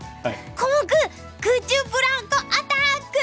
コモク空中ブランコアタック！